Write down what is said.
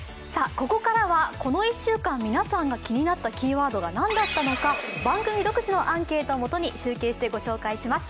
ここからはこの１週間、皆さんが気になったキーワードが何だったのか番組独自のアンケートをもとに集計しました。